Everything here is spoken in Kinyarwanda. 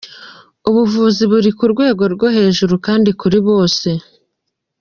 Ubuvuzi buri ku rwego rwo hejuru kandi kuri bose.